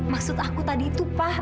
maksud aku tadi itu pak